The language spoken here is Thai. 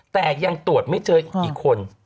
แต่ยังตรวจไม่เจออีกคน